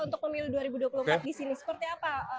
untuk pemilu dua ribu dua puluh empat di sini seperti apa